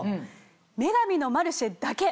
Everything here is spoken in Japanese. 『女神のマルシェ』だけ！